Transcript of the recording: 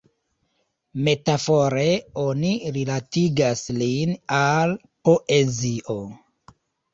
Metafore oni rilatigas lin al poezio.